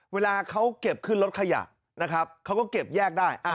เวลาเขาเก็บขึ้นรถขยะนะครับเขาก็เก็บแยกได้